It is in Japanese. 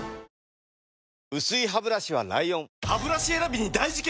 薄いハブラシは ＬＩＯＮハブラシ選びに大事件！